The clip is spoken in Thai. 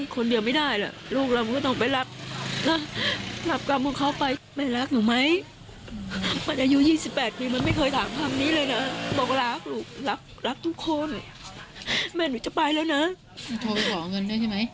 เขาโทรไปขอเงินด้วยใช่ไหม